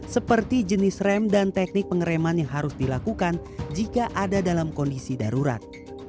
seperti jenis rem dan teknik pengereman yang harus dilakukan jika ada dalam kondisi darurat